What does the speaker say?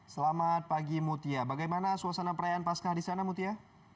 selamat pagi mutia bagaimana suasana perayaan pascah di sana mutia